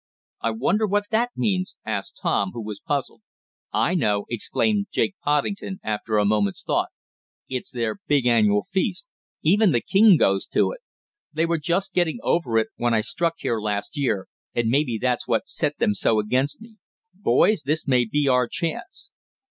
"I wonder what that means?" asked Tom, who was puzzled. "I know!" exclaimed Jake Poddington after a moment's thought. "It's their big annual feast. Even the king goes to it. They were just getting over it when I struck here last year, and maybe that's what set them so against me. Boys, this may be our chance!"